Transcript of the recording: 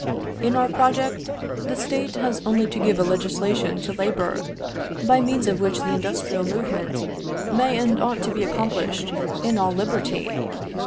"In our project, the State has only to give a legislation to labour, by means of which the industrial movement may and ought to be accomplished in all liberty.